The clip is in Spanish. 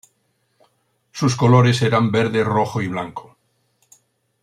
Sus colores eran verde, rojo y blanco.